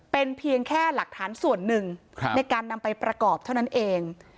เป็นเพียงแค่หลักฐานส่วนหนึ่งในการนำไปประกอบเท่านั้นเอง